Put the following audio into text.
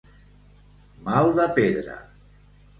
Mal de pedra.